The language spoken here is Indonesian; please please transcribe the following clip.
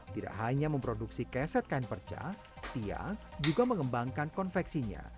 tidak hanya memproduksi keset kain perca tia juga mengembangkan konveksinya